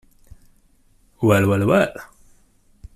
Well, well, well!